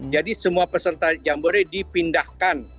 jadi semua peserta jambore dipindahkan